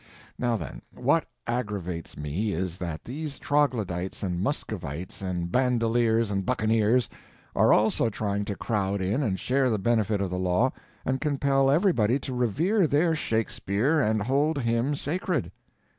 Now then, what aggravates me is that these troglodytes and muscovites and bandoleers and buccaneers are also trying to crowd in and share the benefit of the law, and compel everybody to revere their Shakespeare and hold him sacred.